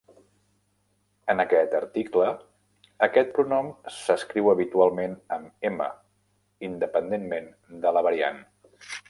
En aquest article, aquest pronom s'escriu habitualment amb "m", independentment de la variant.